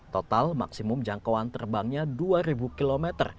total maksimum jangkauan terbangnya dua km